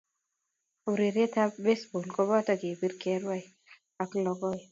Urerietab baseball koboto kebir, kerwai ak lokeet